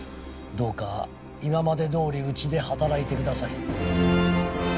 どうか今までどおりうちで働いてください。